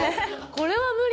これは無理。